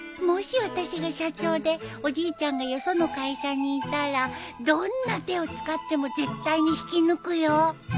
もし私が社長でおじいちゃんがよその会社にいたらどんな手を使っても絶対に引き抜くよ。